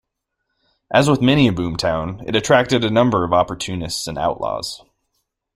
As with many a boomtown, it attracted a number of opportunists and outlaws.